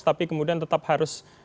tapi kemudian tetap harus